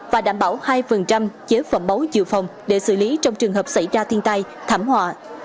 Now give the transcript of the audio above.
và đảm bảo hai chế phẩm máu dự phòng để xử lý trong trường hợp xảy ra thiên tai thảm họa